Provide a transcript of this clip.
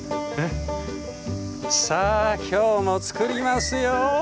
さあ今日も作りますよ。